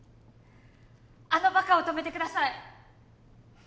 あのバカを止めてください。